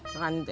gak ada bang